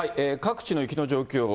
各地の雪の状況。